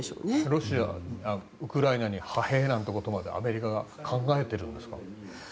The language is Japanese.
ロシア、ウクライナに派兵なんてことまでアメリカが考えているんですか？